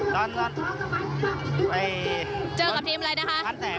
เจอกับทีมอะไรนะคะ